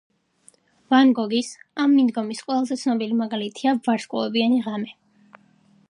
ვან გოგის ამ მიდგომის ყველაზე ცნობილი მაგალითია "ვარსკვლავებიანი ღამე"